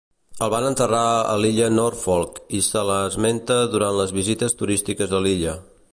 El van enterrar a l'illa Norfolk i se l'esmenta durant les visites turístiques a l'illa.